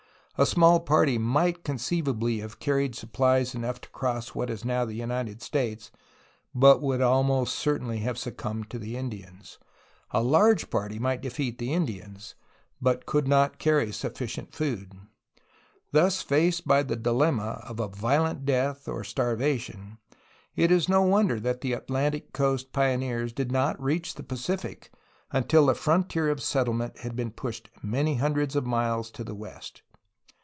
A small party might conceivably have carried supplies enough to cross what is now the United States, but it would almost certainly have succumbed to the Indians. A large party might defeat the Indians, but could not carry suf ficient food. Thus faced by the dilemma of a violent death or starvation, it is no wonder that the Atlantic coast pioneers did not reach the Pacific until the frontier of settlement had been pushed many hundreds of miles to the west.